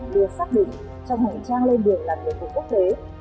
được xác định trong mọi trang lên đường làm nhiệm vụ quốc tế